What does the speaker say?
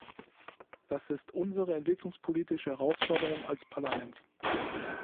Das ist unsere entwicklungspolitische Herausforderung als Parlament.